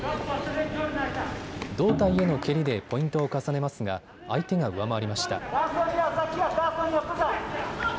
胴体への蹴りでポイントを重ねますが相手が上回りました。